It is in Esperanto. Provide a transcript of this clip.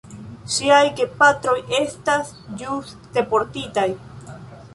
Ŝiaj gepatroj estas ĵus deportitaj.